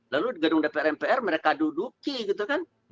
lalu gedung dpr mpr mereka duduki gitu kan